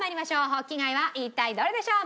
ホッキ貝は一体どれでしょう？